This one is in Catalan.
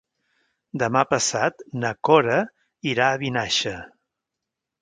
Demà passat na Cora irà a Vinaixa.